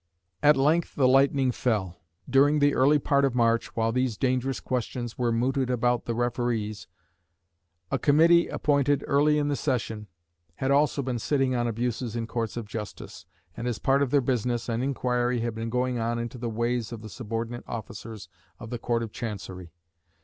At length the lightning fell. During the early part of March, while these dangerous questions were mooted about the referees, a Committee, appointed early in the session, had also been sitting on abuses in courts of justice, and as part of their business, an inquiry had been going on into the ways of the subordinate officers of the Court of Chancery.